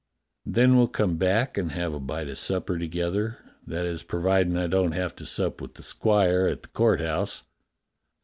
Then we'll come back and have a bite of supper together, that is providing I don't have to sup with the squire at the Court House."